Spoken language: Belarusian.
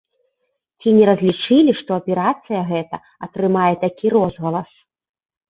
Ці не разлічылі, што аперацыя гэта атрымае такі розгалас?